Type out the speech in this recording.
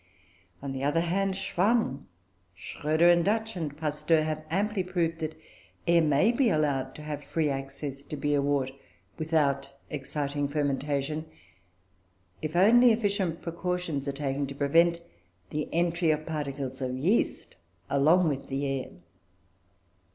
[Footnote 2: Annales de Chimie, 1810.] On the other hand, Schwann, Schroeder and Dutch, and Pasteur, have amply proved that air may be allowed to have free access to beer wort, without exciting fermentation, if only efficient precautions are taken to prevent the entry of particles of yeast along with the air.